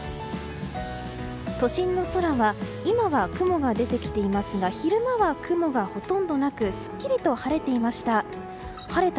都心の空は今は雲が出てきていますが昼間は雲がほとんどなくすっきりと晴れていました。